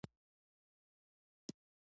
او د عوامو دغه ډول نظریاتو ته